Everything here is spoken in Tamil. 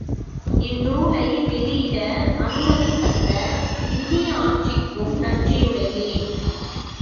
இந்நூலை வெளியிட அனுமதி தந்த இந்திய ஆட்சிக்கும் நன்றியுடையேன்.